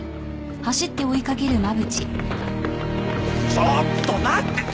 ちょっと待ってって！